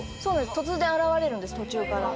突然現れるんです途中から。